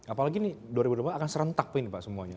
apalagi ini dua ribu dua puluh empat akan serentak ini pak semuanya